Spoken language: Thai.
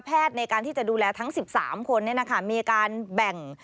ในการที่จะดูแลทั้ง๑๓คนมีการแบ่ง